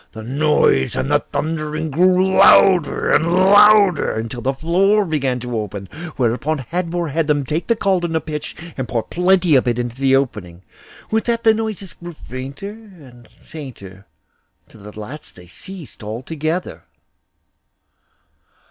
The noise and thundering grew louder and louder, until the floor began to open, whereupon Hadvor made them take the caldron of pitch and pour plenty of it into the opening. With that the noises grew fainter and fainter, till at last they ceased altogether.